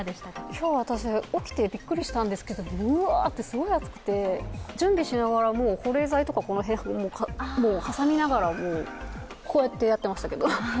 今日、私、起きてびっくりしたんですけどぶわっどすごい暑くて準備しながら、保冷剤とか挟みながらやってました。